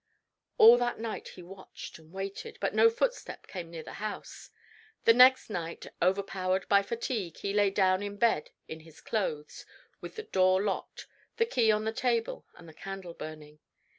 All that night he watched and waited, but no footstep came near the house. The next night, overpowered by fatigue, he lay down in bed in his clothes, with the door locked, the key on the table, and the candle burning.